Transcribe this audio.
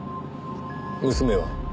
娘は？